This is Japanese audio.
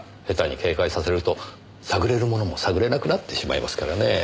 下手に警戒させると探れるものも探れなくなってしまいますからね。